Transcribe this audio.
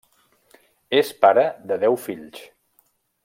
És pare de deu fills.